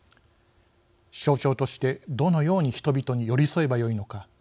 象徴としてどのように人々に寄り添えばよいのか。